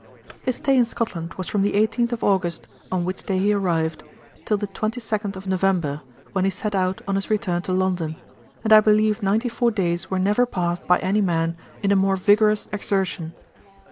His stay in Scotland was from the 18th of August, on which day he arrived, till the 22nd of November, when he set out on his return to London; and I believe ninety four days were never passed by any man in a more vigorous exertion.